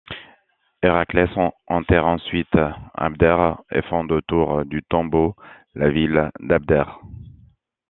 Héraclès enterre ensuite Abdère et fonde autour du tombeau la ville d'Abdère.